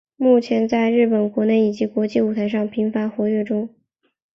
目前在日本国内以及国际舞台上频繁活跃中。